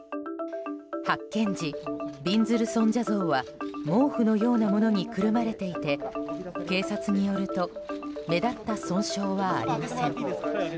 発見時、びんずる尊者像は毛布のようなものにくるまれていて警察によると目立った損傷はありません。